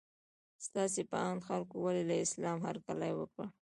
ستاسو په اند خلکو ولې له اسلام هرکلی وکړ؟